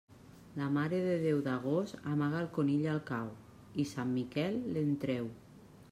La Mare de Déu d'agost amaga el conill al cau i Sant Miquel l'en treu.